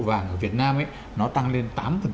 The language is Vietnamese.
vàng ở việt nam ấy nó tăng lên tám